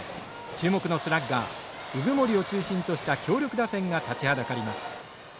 注目のスラッガー鵜久森を中心とした強力打線が立ちはだかります。